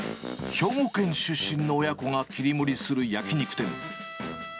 兵庫県出身の親子が切り盛りする焼き肉店。